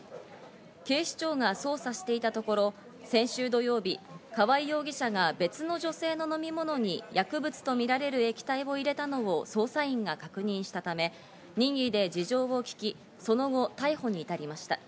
警視庁が捜査していたところ、先週土曜日、河合容疑者が別の女性の飲み物に薬物とみられる液体を入れたの捜査員が確認したため、任意で事情を聴き、その後、逮捕に至りました。